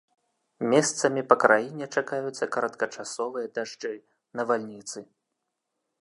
Месцамі па краіне чакаюцца кароткачасовыя дажджы, навальніцы.